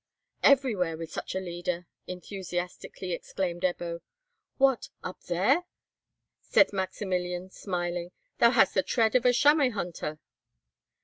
"Everywhere with such a leader!" enthusiastically exclaimed Ebbo. "What? up there?" said Maximilian, smiling. "Thou hast the tread of a chamois hunter."